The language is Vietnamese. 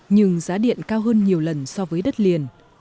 nhưng giá điện cao hơn nhiều lần so với đất liền